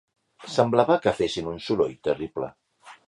Semblava que fessin un soroll terrible.